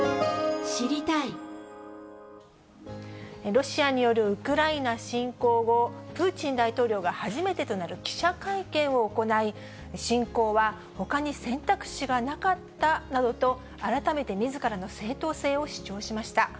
ロシアによるウクライナ侵攻後、プーチン大統領が初めてとなる記者会見を行い、侵攻はほかに選択肢がなかったなどと改めてみずからの正当性を主張しました。